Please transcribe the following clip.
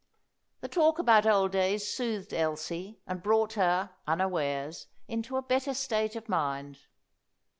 The talk about old days soothed Elsie, and brought her, unawares, into a better state of mind.